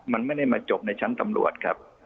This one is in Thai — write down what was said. มันไม่ได้มาจบในชั้นตำรวจครับ